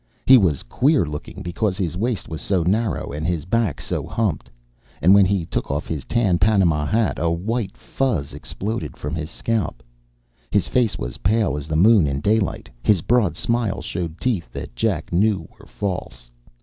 He was queer looking because his waist was so narrow and his back so humped. And when he took off his tan Panama hat, a white fuzz exploded from his scalp. His face was pale as the moon in daylight. His broad smile showed teeth that Jack knew were false.